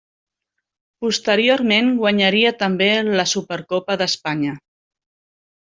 Posteriorment, guanyaria també la Supercopa d'Espanya.